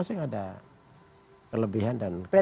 masing masing ada kelebihan dan kelebihan